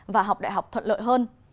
và học đại học thuận lợi hơn